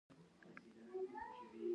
تاریخ د ظلم دښمن دی.